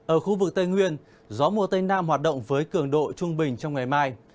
ở khu vực tây nguyên gió mùa tây nam hoạt động với cường độ trung bình trong ngày mai